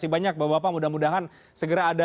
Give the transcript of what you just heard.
bapak bapak mudah mudahan segera ada